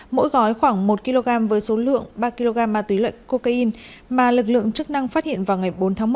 mỗi gói khoảng một kg với số lượng ba kg ma túy lợi cocaine mà lực lượng chức năng phát hiện vào ngày bốn tháng một